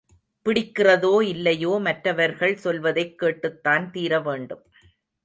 பிடிக்கிறதோ இல்லையோ மற்றவர்கள் சொல்வதைக் கேட்டுத்தான் தீரவேண்டும்.